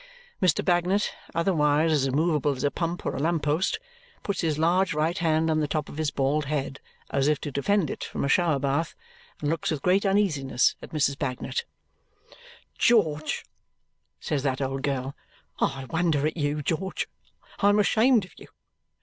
Mr. Bagnet, otherwise as immovable as a pump or a lamp post, puts his large right hand on the top of his bald head as if to defend it from a shower bath and looks with great uneasiness at Mrs. Bagnet. "George," says that old girl, "I wonder at you! George, I am ashamed of you!